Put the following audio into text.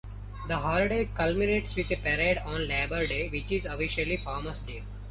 The holiday culminates with a parade on Labor Day, which is officially Farmer's Day.